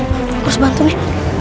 harus bantu nih